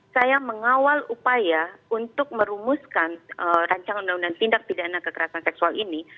saya mengawal upaya untuk merumuskan rancangan undang undang tindak pidana kekerasan seksual ini